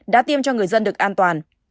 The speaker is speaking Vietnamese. đã tiêm cho người dân được an toàn